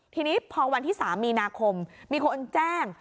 ทีนี้พอวันที่๓มีนาคมมีคนแจ้ง